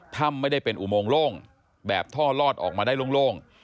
ถ้ำไม่ได้เป็นอุโมงโล่งแบบท่อลอดออกมาได้โล่ง